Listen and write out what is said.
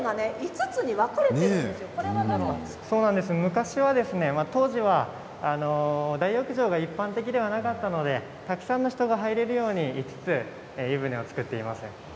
湯船が当時は大浴場が一般的ではなかったのでたくさんの人が入れるように５つ湯船を造っています。